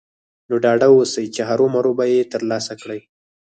نو ډاډه اوسئ چې هرو مرو به يې ترلاسه کړئ.